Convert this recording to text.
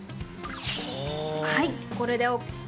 はいこれでＯＫ！